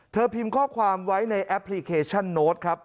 พิมพ์ข้อความไว้ในแอปพลิเคชันโน้ตครับ